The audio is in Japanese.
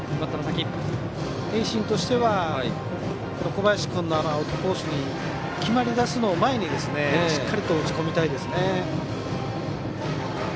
盈進としては小林君が、アウトコースに決まりだすのを前にしっかり打ち込みたいですね。